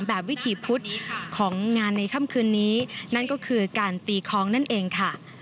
วิถีพุธของงานในค่ำคืนนี้นั่นก็คือการตีคล้องนั่นเองค่ะ